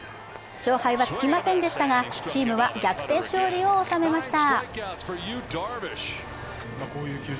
勝敗はつきませんでしたがチームは逆転勝利を収めました。